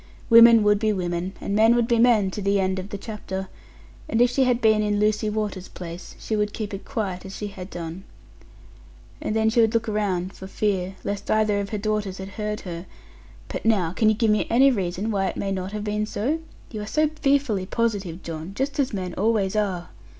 Women would be women, and men would be men, to the end of the chapter; and if she had been in Lucy Water's place, she would keep it quiet, as she had done'; and then she would look round, for fear, lest either of her daughters had heard her; 'but now, can you give me any reason, why it may not have been so? You are so fearfully positive, John: just as men always are.'